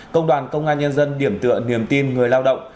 công đoàn công an nhân dân điểm tựa niềm tin người lao động